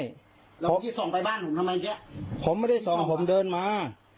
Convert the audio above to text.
แล้วหลวงพี่ส่องไปบ้านผมทำไมเจ๊ะผมไม่ได้ส่องผมเดินมา